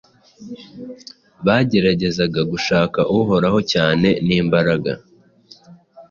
Bageragezaga gushaka Uhoraho cyane nimbaraga.